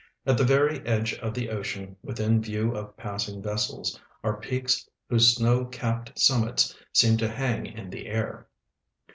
At the very edge of the ocean, within view of passing vessels, are jreaks whose snow capped summits seem to hang in the air.